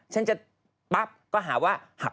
ฉันจะปั๊บก็หาว่าหัก